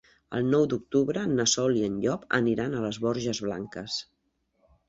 El nou d'octubre na Sol i en Llop aniran a les Borges Blanques.